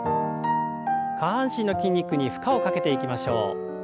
下半身の筋肉に負荷をかけていきましょう。